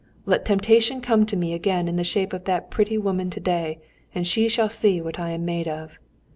Let temptation come to me again in the shape of that pretty woman to day and she shall see what I am made of!...